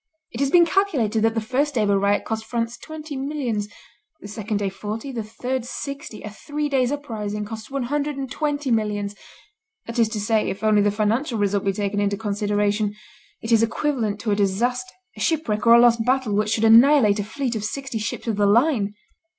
It has been calculated that the first day of a riot costs France twenty millions, the second day forty, the third sixty, a three days' uprising costs one hundred and twenty millions, that is to say, if only the financial result be taken into consideration, it is equivalent to a disaster, a shipwreck or a lost battle, which should annihilate a fleet of sixty ships of the line.